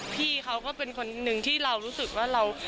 พี่เขาก็เป็นคนหนึ่งที่เรารู้สึกว่าเรา